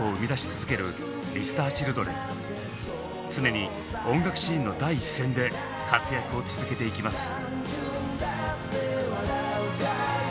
常に音楽シーンの第一線で活躍を続けていきます。